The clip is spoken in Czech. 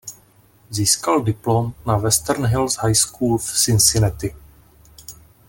Získal diplom na Western Hills High School v Cincinnati.